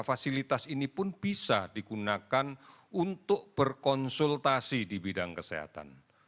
fasilitas ini pun bisa digunakan untuk berkonsultasi di bidang kesehatan